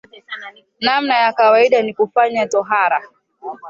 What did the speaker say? Namna ya kawaida ni kufanya tohara